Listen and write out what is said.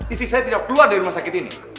istri saya tidak keluar dari rumah sakit ini